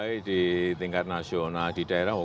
baik di tingkat nasional di daerah